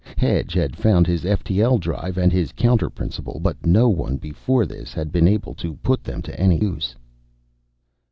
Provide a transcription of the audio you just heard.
Hedge had found his ftl drive and his counterprinciple, but no one before this has been able to put them to any use."